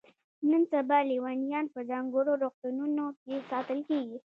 نن سبا لیونیان په ځانګړو روغتونونو کې ساتل کیږي.